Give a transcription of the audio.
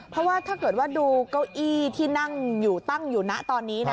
เพราะว่าถ้าเกิดว่าดูเก้าอี้ที่นั่งอยู่ตั้งอยู่นะตอนนี้นะ